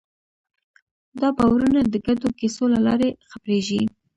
دا باورونه د ګډو کیسو له لارې خپرېږي.